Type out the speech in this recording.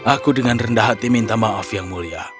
aku dengan rendah hati minta maaf yang mulia